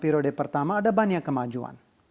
periode pertama ada banyak kemajuan